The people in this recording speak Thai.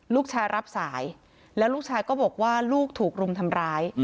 รับสายรับสายแล้วลูกชายก็บอกว่าลูกถูกรุมทำร้าย